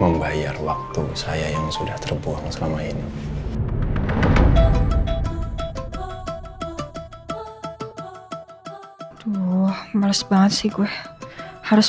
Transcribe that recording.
membayar waktu saya yang sudah terbuang selama ini males banget sih gue harus